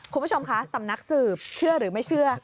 คุณผู้ชมคะสำนักสืบเชื่อหรือไม่เชื่อ